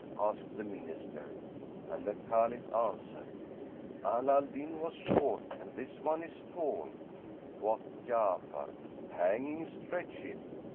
asked the Minister, and the Caliph answered, "Ala al Din was short and this one is tall " Quoth Ja'afar, "Hanging stretcheth."